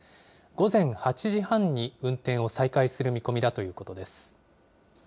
午前８時半に運転を再開する見込みだということです。